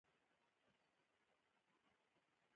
ایا زما فشار ټیټ دی؟